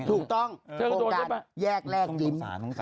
ถูกต้องโครงการแยกแลกยิ้ม